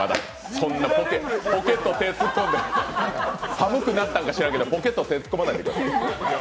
そんなポケット手突っ込んで、寒くなったんか知らんけど、ポケットに手を突っ込まないでください。